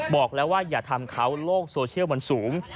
บอกแล้วว่าอย่าทำเขาโลกโซเชียลมันสูง